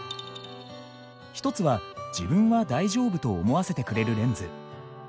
一つは「自分は大丈夫」と思わせてくれるレンズ。